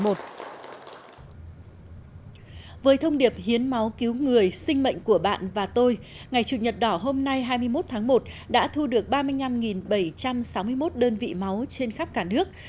với thông điệp hiến máu cứu người sinh mệnh của bạn và tôi ngày chủ nhật đỏ hôm nay hai mươi một tháng một đã thu được ba mươi năm bảy trăm sáu mươi một đơn vị máu trên khắp cả nước